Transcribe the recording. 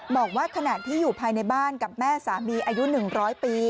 บอกว่าขณะที่อยู่ภายในบ้านกับแม่สามีอายุ๑๐๐ปี